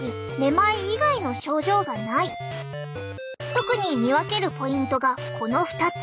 特に見分けるポイントがこの２つ。